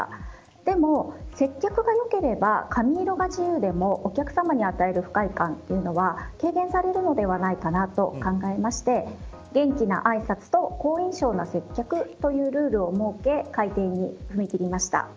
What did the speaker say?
でも、接客が良ければ髪色が自由でもお客さまに与える不快感というのは軽減されるのではないかなと考えまして元気なあいさつと好印象な接客というルールを設け改善に踏み切りました。